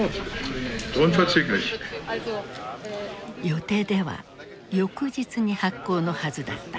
予定では翌日に発効のはずだった。